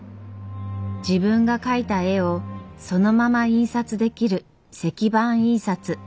自分が描いた絵をそのまま印刷できる石版印刷。